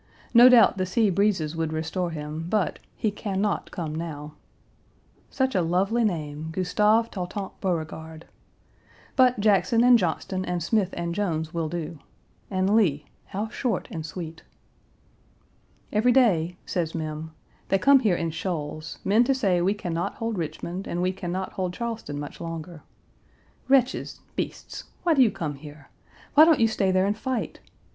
No doubt the sea breezes would restore him, but he can not come now. Such a lovely name Gustave Tautant Beauregard. But Jackson and Johnston and Smith and Jones will do and Lee, how short and sweet. "Every day," says Mem, "they come here in shoals men to say we can not hold Richmond, and we can not hold Charleston much longer. Wretches, beasts! Why do you come here? Why don't you stay there and fight?